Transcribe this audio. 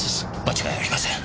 間違いありません。